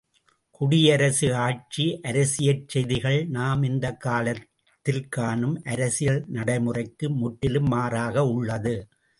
குடியரசு ஆட்சி அரசியற் செய்திகள் நாம் இந்தக் காலத்தில் காணும் அரசியல் நடைமுறைக்கு முற்றிலும் மாறாக உள்ளது.